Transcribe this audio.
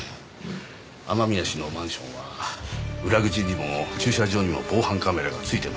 雨宮氏のマンションは裏口にも駐車場にも防犯カメラがついていました。